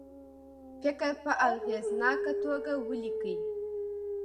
فکر په اغیزناکه توګه ولیکي.